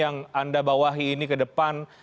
yang anda bawahi ini ke depan